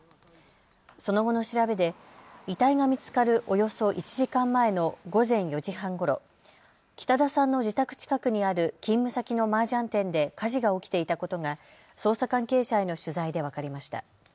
その後の調べで遺体が見つかるおよそ１時間前の午前４時半ごろ、北田さんの自宅近くにある勤務先のマージャン店で火事が起きていたことが捜査関係者への取材で分かりました。